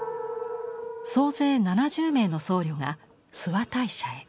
総勢７０名の僧侶が諏訪大社へ。